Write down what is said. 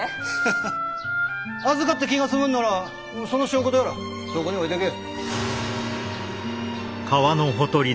ハハハ預かって気が済むんならその証拠とやらそこに置いていけ。